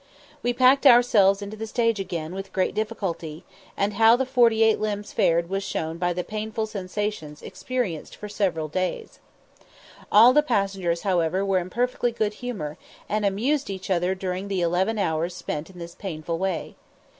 We packed ourselves into the stage again with great difficulty, and how the forty eight limbs fared was shown by the painful sensations experienced for several succeeding days. All the passengers, however, were in perfectly good humour, and amused each other during the eleven hours spent in this painful way.